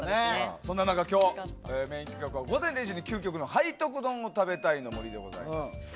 そんな中、今日は午前０時に究極の背徳丼を食べたいの森でございます。